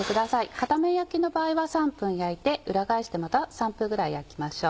片面焼きの場合は３分焼いて裏返してまた３分ぐらい焼きましょう。